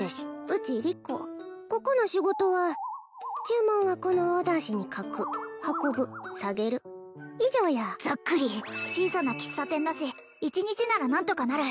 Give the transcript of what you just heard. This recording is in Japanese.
うちリコここの仕事は注文はこのオーダー紙に書く運ぶ下げる以上やざっくり小さな喫茶店だし１日なら何とかなる！